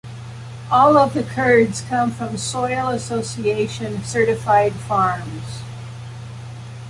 All of the curds come from Soil Association certified farms.